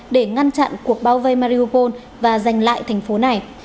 để ngăn chặn cuộc bao vây mariopol và giành lại thành phố này